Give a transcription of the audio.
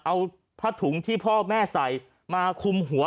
เอาผ้าถุงที่พ่อแม่ใส่มาคุมหัว